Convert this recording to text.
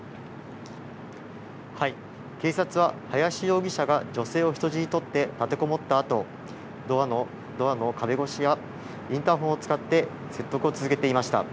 警察は、林容疑者が女性を人質に取って立てこもったあと、ドアの壁越しや、インターホンを使って、説得を続けていました。